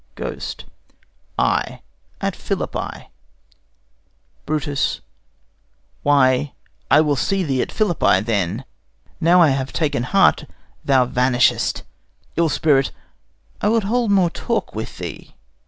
GHOST. Ay, at Philippi. BRUTUS. Why, I will see thee at Philippi, then. Now I have taken heart, thou vanishest: Ill spirit, I would hold more talk with thee.